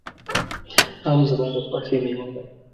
آم زما د خوښې مېوه ده.